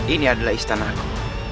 ini adalah istanaku